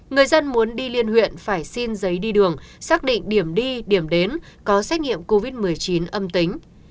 người dân muốn đi liên huyện phải xin giấy đi đường xác định điểm đi điểm đến có xét nghiệm covid một mươi chín âm tính